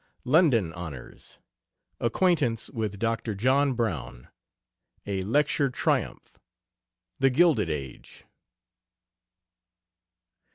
LONDON HONORS. ACQUAINTANCE WITH DR. JOHN BROWN. A LECTURE TRIUMPH. "THE GILDED AGE".